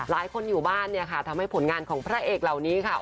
ภลายคนอยู่บ้านทำให้ผลงานของพระเอกนี้ค่ะ